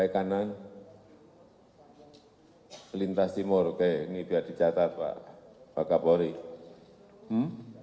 itu nanti dimulai dari jalur pelawan riau